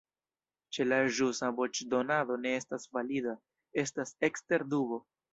Ke la ĵusa voĉdonado ne estas valida, estas ekster dubo.